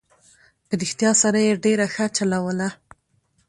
په رښتیا سره یې ډېره ښه چلوله.